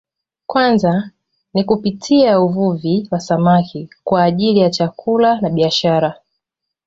Kwanza ni kupitia uvuvi wa samaki kwa ajili ya chakula na biashara